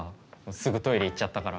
すぐトイレ行っちゃったから。